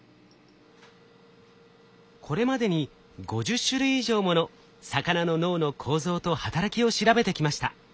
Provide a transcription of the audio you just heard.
これまでに５０種類以上もの魚の脳の構造と働きを調べてきました。